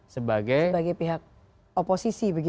sebagai pihak oposisi begitu ya